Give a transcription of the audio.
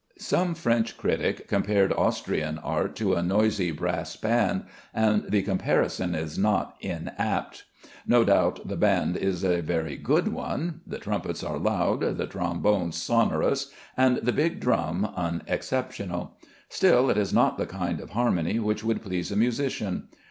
Some French critic compared Austrian art to a noisy brass band, and the comparison is not inapt. No doubt the band is a very good one; the trumpets are loud, the trombones sonorous, and the big drum unexceptionable. Still it is not the kind of harmony which would please a musician.